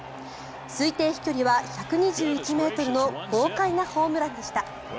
推定飛距離は１２１ｍの豪快なホームランでした。